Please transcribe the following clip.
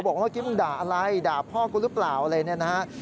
บอกว่าเก๊มด่าอะไรด่าพ่อกูหรือเปล่าอะไรนี่นะครับ